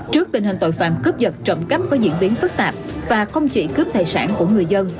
trước tình hình tội phạm cướp vật trộm cắp có diễn biến phức tạp và không chỉ cướp tài sản của người dân